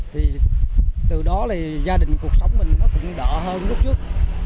thì từ đó thì gia đình cuộc sống mình nó cũng đỡ hơn lúc trước